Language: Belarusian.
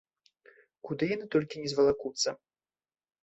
Куды яны толькі не звалакуцца?!